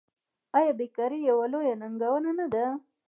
آیا بیکاري یوه لویه ننګونه نه ده؟